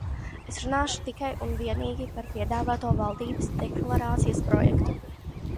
Es runāšu tikai un vienīgi par piedāvāto valdības deklarācijas projektu.